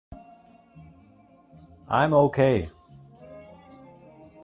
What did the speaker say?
I'm ok.